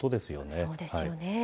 そうですよね。